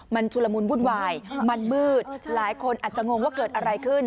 มันชุลมุนวุ่นวายมันมืดหลายคนอาจจะงงว่าเกิดอะไรขึ้น